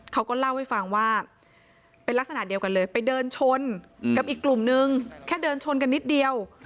เขาก็เล่าให้ฟังว่าเป็นลักษณะเดียวกันเลยไปเดินชนกับอีกกลุ่มนึงแค่เดินชนกันนิดเดียว